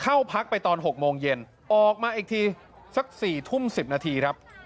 เข้าพักไปตอน๖โมงเย็นออกมาอีกทีสัก๔ทุ่ม๑๐นาทีครับ